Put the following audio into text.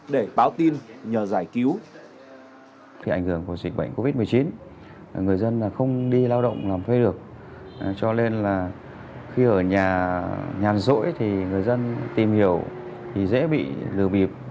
để báo tin nhờ giải cứu